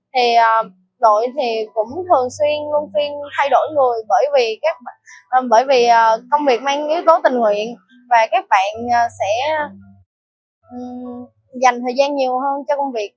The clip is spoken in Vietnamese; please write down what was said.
thì đội thì cũng thường xuyên luôn phiên thay đổi người bởi vì công việc mang yếu tố tình nguyện và các bạn sẽ dành thời gian nhiều hơn cho công việc